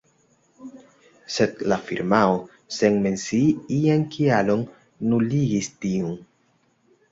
Sed la firmao, sen mencii ian kialon, nuligis tiun.